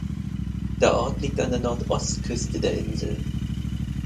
Der Ort liegt an der Nordost-Küste der Insel.